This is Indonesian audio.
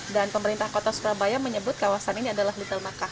dan pemerintah kota surabaya menyebut kawasan ini adalah little mekah